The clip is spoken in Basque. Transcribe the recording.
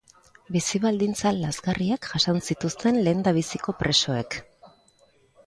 Bizi baldintza lazgarriak jasan zituzten lehendabiziko presoek.